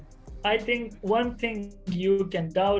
saya pikir satu hal yang bisa anda ragu adalah